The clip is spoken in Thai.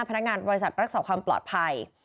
พนักงานบริษัทรักษาความปลอดภัย